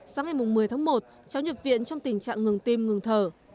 sáng ngày một mươi tháng một cháu nhập viện trong tình trạng ngừng tim ngừng thở